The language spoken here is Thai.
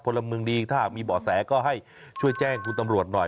พลเมืองดีถ้ามีบ่อแสก็ให้ช่วยแจ้งคุณตำรวจหน่อย